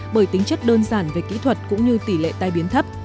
bởi tính chất đơn giản về kỹ thuật cũng như tỷ lệ tai biến thấp